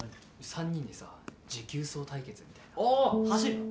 ３人でさ持久走対決みたいなおぉ走るの？